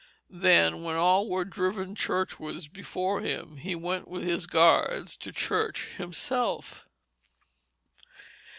Then, when all were driven churchwards before him, he went with his guards to church himself.